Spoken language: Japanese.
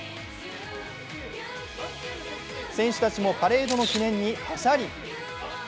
選手たちもパレードの記念にパシャリ。